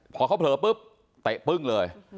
พอเขาเผลอปุ๊บเตะปึ้งเลย